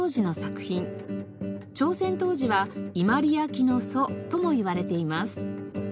朝鮮陶磁は伊万里焼の祖ともいわれています。